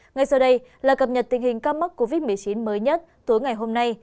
ngay sau đây là cập nhật tình hình ca mắc covid một mươi chín mới nhất tối ngày hôm nay